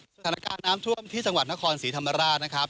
สถานการณ์น้ำท่วมที่จังหวัดนครศรีธรรมราชนะครับ